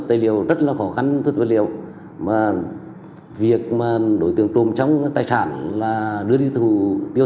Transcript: tài liệu rất là khó khăn rất vật liệu mà việc mà đối tượng trộm trong tài sản là đưa đi thủ tiêu